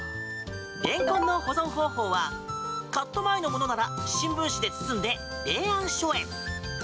レンコンの保存方法はカット前のものなら新聞紙で包んで冷暗所へ。